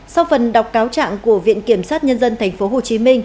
sau phần đọc cáo trạng của viện kiểm sát nhân dân tp hcm